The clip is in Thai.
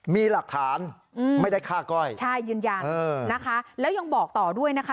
มีหลักฐานไม่ได้ฆ่าก้อยใช่ยืนยันนะคะแล้วยังบอกต่อด้วยนะคะ